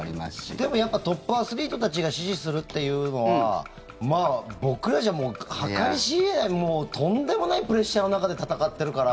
でもやっぱトップアスリートたちが支持するというのは僕らじゃ、もう計り知れないとんでもないプレッシャーの中で戦ってるから。